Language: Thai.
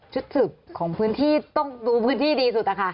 สืบของพื้นที่ต้องดูพื้นที่ดีสุดนะคะ